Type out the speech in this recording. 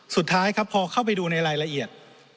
สุดท้ายครับพอเข้าไปดูในรายละเอียด